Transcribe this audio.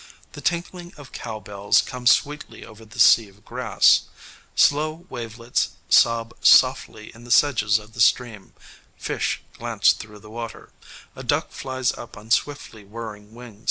The tinkling of cow bells comes sweetly over the sea of grass; slow wavelets sob softly in the sedges of the stream; fish glance through the water; a duck flies up on swiftly whirring wing.